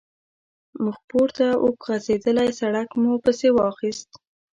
مخپورته اوږد غځېدلی سړک مو پسې واخیست.